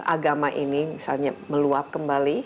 agama ini misalnya meluap kembali